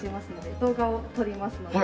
動画を撮りますので。